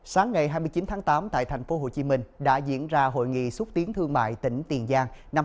sáng ngày hai mươi chín tháng tám tại tp hcm đã diễn ra hội nghị xúc tiến thương mại tỉnh tiền giang năm hai nghìn hai mươi ba